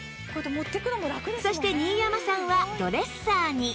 そして新山さんはドレッサーに